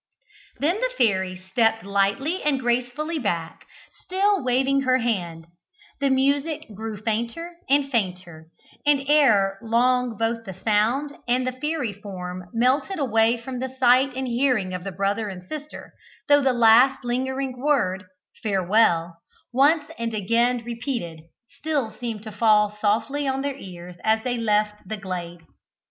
Then the fairy stepped lightly and gracefully back, still waving her hand; the music grew fainter and fainter, and ere long both the sound and the fairy form melted away from the sight and hearing of the brother and sister, though the last lingering word, Farewell, once and again repeated, still seemed to fall softly on their ears as they left the glade.